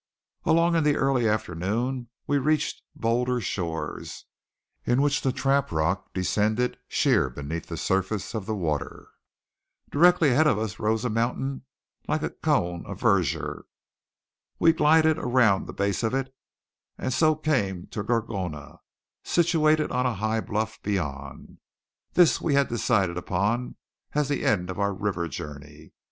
Along in the early afternoon we reached bolder shores in which the trap rock descended sheer beneath the surface of the water. Directly ahead of us rose a mountain like a cone of verdure. We glided around the base of it, and so came to Gorgona, situated on a high bluff beyond. This we had decided upon as the end of our river journey.